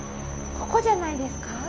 ここじゃないですか？